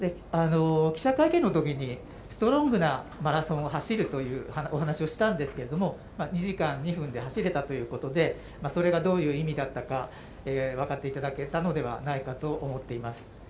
記者会見の時にストロングなマラソンを走るというお話をしたんですけど、２時間２分で走れたということでそれがどういう意味だったか、分かっていただけたのではないかと思っています。